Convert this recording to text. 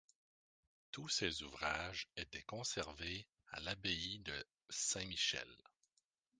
Tous ses ouvrages étaient conservés à l'abbaye de St-Michel.